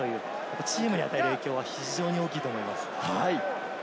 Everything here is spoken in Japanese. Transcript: チームに与える影響は非常に大きいと思います。